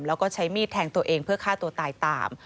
แล้วก็ใช้มีดแทงตัวเองเพื่อฆ่าตัวตายตาม